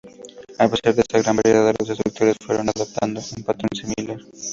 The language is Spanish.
A pesar de esta gran variedad, los destructores fueron adoptando un patrón similar.